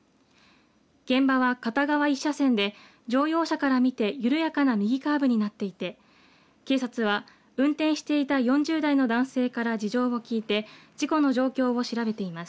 現場は片側１車線で乗用車から見て緩やかな右カーブになっていて警察は運転していた４０代の男性から事情を聴いて事故の状況を調べています。